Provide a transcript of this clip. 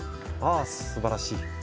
すばらしい。